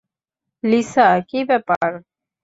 Lisa, কি ব্যাপার?